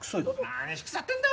何しくさってんだ？